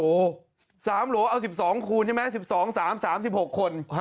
โอ้โห๓โหลเอา๑๒คูณใช่ไหม๑๒๓๓๖คน